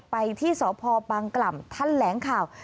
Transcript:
ไปที่สพบางกล่ำท่านแหลงข่าว